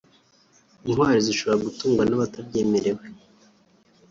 intwaro zishobora gutungwa n’abatabyemerewe